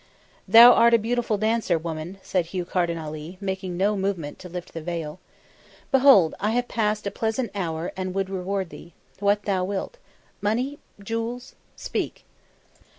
"Thou art a beautiful dancer, woman," said Hugh Carden Ali, making no movement to lift the veil. "Behold, I have passed a pleasant hour and would reward thee. What thou wilt. Money jewels? speak."